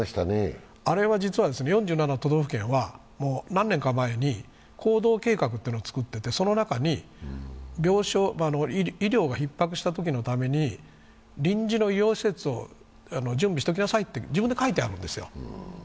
あれは実は４７都道府県は何年か前に行動計画を作っていて、その中に医療がひっ迫したときのために臨時の医療施設を準備しておきなさいと自分で書いてあるんですよ。